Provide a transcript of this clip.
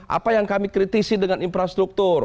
apa yang kami kritisi dengan infrastruktur